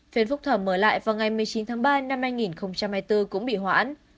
phiên phúc thẩm mở lại vào ngày một mươi chín tháng ba năm hai nghìn hai mươi bốn cũng bị hoãn